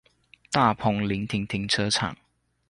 大鵬臨停停車場